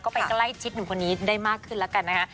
ก็ไปใกล้ชิดหนุ่มคนนี้ได้มากขึ้นแล้วกันนะฮะ